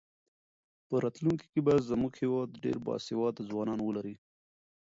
په راتلونکي کې به زموږ هېواد ډېر باسواده ځوانان ولري.